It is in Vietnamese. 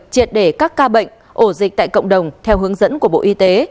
triệt để các ca bệnh ổ dịch tại cộng đồng theo hướng dẫn của bộ y tế